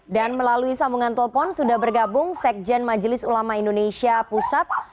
dan melalui sambungan telepon sudah bergabung sekjen majelis ulama indonesia pusat